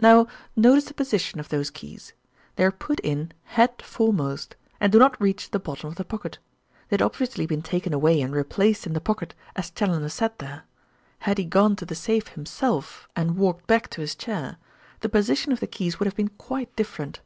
"Now notice the position of those keys. They are put in head foremost, and do not reach the bottom of the pocket. They had obviously been taken away and replaced in the pocket as Challoner sat there. Had he gone to the safe himself and walked back to his chair, the position of the keys would have been quite different."